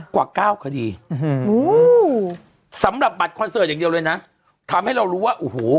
กว่าเก้าคดีสำหรับบัตรคอนเสิร์ตอย่างเดียวเลยนะทำให้เรารู้ว่าโอ้โห